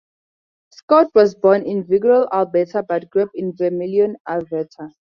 Scott was born in Vegreville, Alberta, but grew up in Vermilion, Alberta.